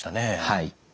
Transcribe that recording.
はい。